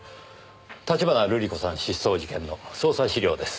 橘瑠璃子さん失踪事件の捜査資料です。